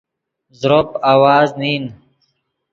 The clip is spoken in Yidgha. زروپ آواز نین